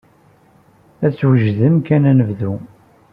Ad twejdem kan ad nebdu.